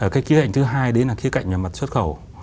cái kế hoạch thứ hai đấy là kế cạnh nhà mặt xuất khẩu